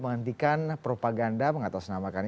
menghentikan propaganda mengatasnamakan